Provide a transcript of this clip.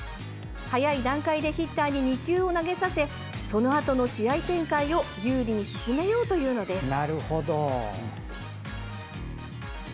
早い段階でヒッターに２球を投げさせそのあとの試合展開を有利に進めようというのです。